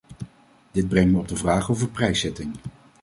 Dit brengt me op de vraag over prijszetting.